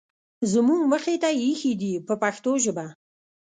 زموږ مخې ته یې اېښي دي په پښتو ژبه.